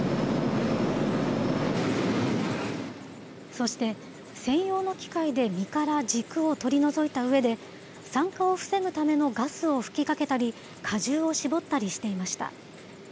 そして専用の機械で実から軸を取り除いたうえで、酸化を防ぐためのガスを吹きかけたり、果汁を搾ったりしていました。